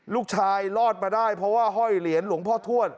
รอดมาได้เพราะว่าห้อยเหรียญหลวงพ่อทวด